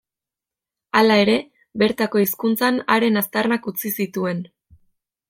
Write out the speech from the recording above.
Hala ere, bertako hizkuntzan haren aztarnak utzi zituen.